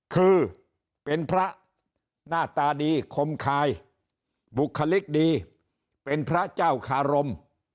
คือเป็นพระหน้าตาดีคมคายบุคลิกดีเป็นพระเจ้าคารม